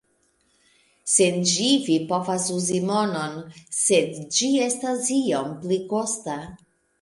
Sen ĝi, vi povas uzi monon, sed ĝi estas iom pli kosta.